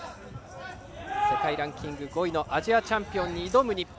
世界ランキング５位のアジアチャンピオンに挑む日本。